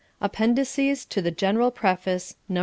APPENDICES TO THE GENERAL PREFACE NO.